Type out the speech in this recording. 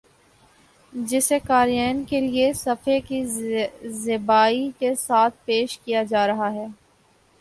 جسے قارئین کے لیے صفحہ کی زیبائی کے ساتھ پیش کیا جارہاہے